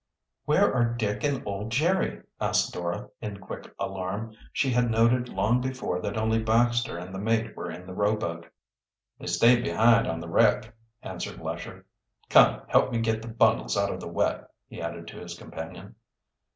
"Where are Dick and, old Jerry?" asked Dora in quick alarm. She had noted long before that only Baxter and the mate were in the rowboat. "They stayed behind on the wreck," answered Lesher. "Come, help get the bundles out of the wet," he added to his companion.